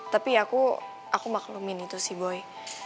tapi aku aku maklumin itu sih boy